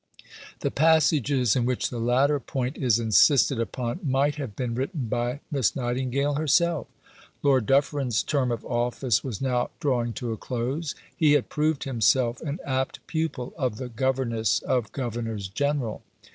The passages in which the latter point is insisted upon might have been written by Miss Nightingale herself. Lord Dufferin's term of office was now drawing to a close. He had proved himself an apt pupil of the "Governess of Governors General."